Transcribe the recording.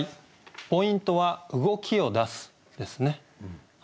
ポイントは「動きを出す」ですね。